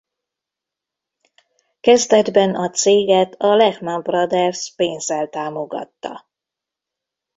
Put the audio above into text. Kezdetben a céget a Lehman Brothers pénzzel támogatta.